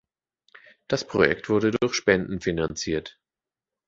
Das Projekt wurde durch Spenden finanziert.